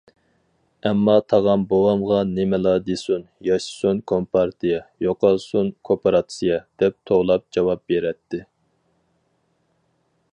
ئەمما تاغام بوۋامغا نېمىلا دېسۇن« ياشىسۇن كومپارتىيە، يوقالسۇن كوپىراتسىيە!» دەپ توۋلاپ جاۋاب بېرەتتى.